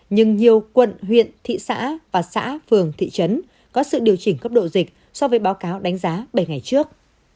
nhưng nhiều quận huyện thị xã và xã phường thị trấn có sự điều chỉnh cấp độ dịch so với báo cáo đánh giá bảy ngày trước